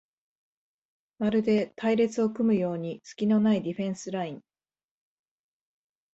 まるで隊列を組むようにすきのないディフェンスライン